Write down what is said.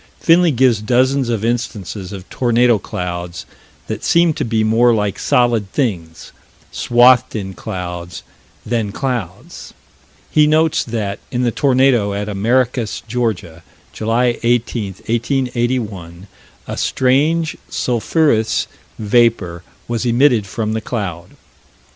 Finley gives dozens of instances of tornado clouds that seem to me more like solid things swathed in clouds, than clouds. He notes that, in the tornado at Americus, Georgia, July 18, 1881, "a strange sulphurous vapor was emitted from the cloud."